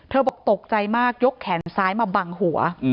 บอกตกใจมากยกแขนซ้ายมาบังหัว